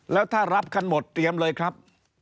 แล้วถ้ารับกันหมดเตรียมเลยครับ